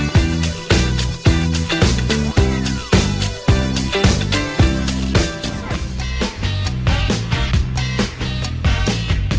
โปรดติดตามตอนต่อไป